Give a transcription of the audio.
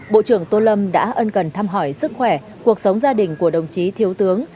bộ trưởng tô lâm đã ân cần thăm hỏi sức khỏe cuộc sống gia đình của đồng chí thiếu tướng